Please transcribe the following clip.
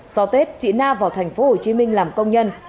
sau tết chị na vào thành phố hồ chí minh làm công nhân